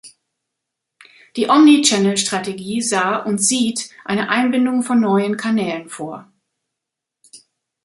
Die Omni-Channel-Strategie sah und sieht eine Einbindung von neuen Kanälen vor.